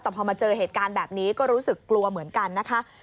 แต่พอมาเจอเหตุการณ์แบบนี้ก็รู้สึกกลัวเหมือนกันนะคะ